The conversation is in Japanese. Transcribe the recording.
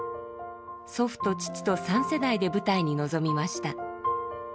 祖父と父と三世代で舞台に臨みました。